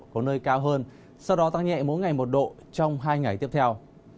có nơi cao hơn sau đó tăng nhẹ mỗi ngày một độ trong hai ngày tiếp theo